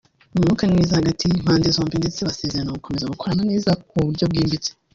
umwuka ni mwiza hagati y’impande zombi ndetse basezeranye gukomeza gukorana neza mu buryo bwimbitse